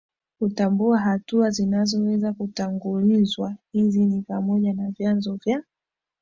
kutambua hatua zinazoweza kutangulizwa Hizi ni pamoja na vyanzo vya